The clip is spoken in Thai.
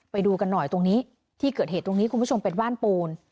ไปดูกันหน่อยตรงนี้ที่เกิดเหตุตรงนี้คุณผู้ชมเป็นบ้านปูน